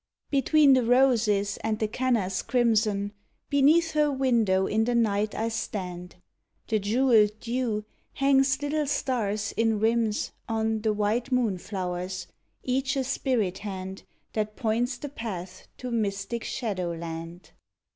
Between the rose's and the canna's crimson, Beneath her window in the night I stand; The jeweled dew hangs little stars, in rims, on The white moonflowers each a spirit hand That points the path to mystic shadowland.